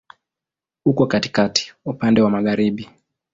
Uko katikati, upande wa magharibi.